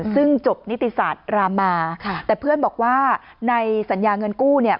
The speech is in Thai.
ซึ่งจบนิติศาสตร์รามาแต่เพื่อนบอกว่าในสัญญาเงินกู้เนี่ย